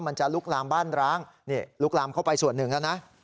มันจะลุกลามบ้านร้างนี่ลุกลามเข้าไปส่วนหนึ่งแล้วนะ